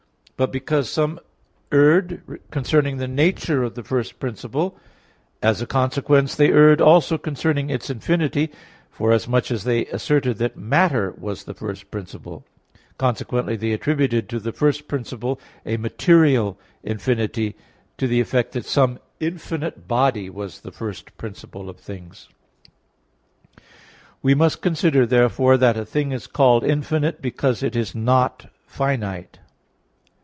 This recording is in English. But because some erred concerning the nature of the first principle, as a consequence they erred also concerning its infinity; forasmuch as they asserted that matter was the first principle; consequently they attributed to the first principle a material infinity to the effect that some infinite body was the first principle of things. We must consider therefore that a thing is called infinite because it is not finite.